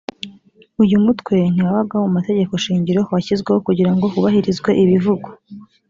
uyu mutwe ntiwabagaho mu mategeko shingiro washyizweho kugira ngo hubahirizwe ibivugwa